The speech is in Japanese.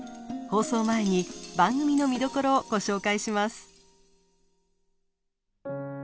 放送前に番組の見どころをご紹介します。